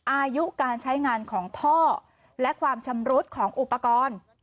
อายุการใช้งานของพ่อและความชำรุดของอุปกรณ์